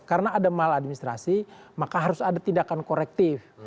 karena ada mal administrasi maka harus ada tindakan korektif